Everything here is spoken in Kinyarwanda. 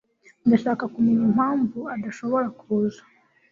Ndashaka kumenya impamvu adashobora kuza.